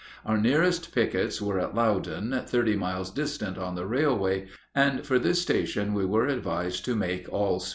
Our nearest pickets were at Loudon, thirty miles distant on the railway, and for this station we were advised to make all speed.